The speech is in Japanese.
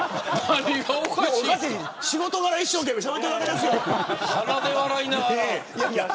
仕事柄、一生懸命しゃべっているだけですよ。